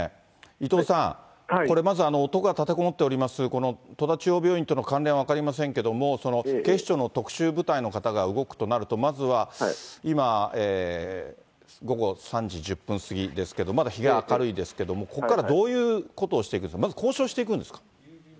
伊藤さん、これまず男が立てこもっております、この戸田中央病院との関連は分かりませんけれども、この警視庁の特殊部隊の方が動くとなると、まずは今、午後３時１０分過ぎですけども、まだ日が明るいですけど、ここからどういうことをしていくんですか、まず交渉していくんですか。